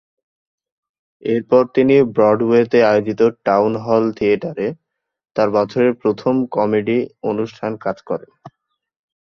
এরপর তিনি ব্রডওয়েতে আয়োজিত টাউন হল থিয়েটারে তার বছরের প্রথম কমেডি অনুষ্ঠান কাজ করেন।